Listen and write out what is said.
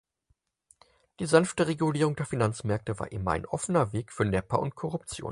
Die sanfte Regulierung der Finanzmärkte war immer ein offener Weg für Nepper und Korruption.